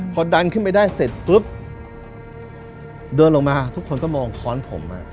พอดันขึ้นไปได้เสร็จปุ๊บเดินลงมาทุกคนก็มองค้อนผม